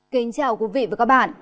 kính chào quý vị và các bạn